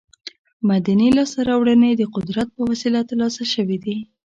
مدني لاسته راوړنې د قدرت په وسیله تر لاسه شوې دي.